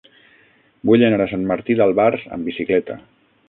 Vull anar a Sant Martí d'Albars amb bicicleta.